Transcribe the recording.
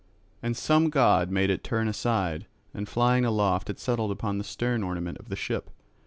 And some god made it turn aside, and flying aloft it settled upon the stern ornament of the ship.